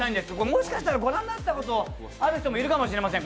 もしかしたらご覧になった人、いるかもしれません。